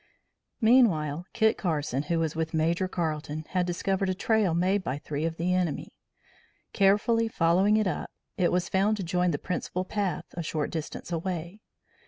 Meanwhile, Kit Carson, who was with Major Carleton, had discovered a trail made by three of the enemy. Carefully following it up, it was found to join the principal path, a short distance away.